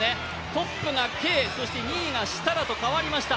トップがＫ、２位が設楽に変わりました。